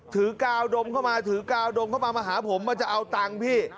กาวดมเข้ามาถือกาวดมเข้ามามาหาผมมันจะเอาตังค์พี่